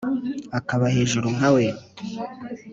akaba hejuru nka we,